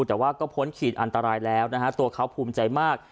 แต่ว่าก็พ้นขีดอันตรายแล้วนะฮะตัวเขาภูมิใจมาก